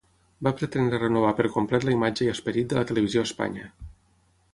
Va pretendre renovar per complet la imatge i esperit de la televisió a Espanya.